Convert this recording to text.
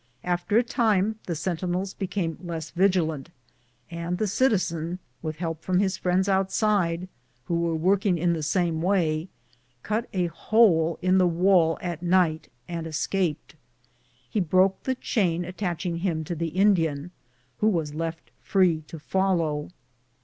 After a time the sentinels became less vigilant, and the citizen, with help from his friends outside, who were working in the same way, cut a hole in the wall at night and escaped. He broke the chain attaching him to the Indian, who was left free to follow.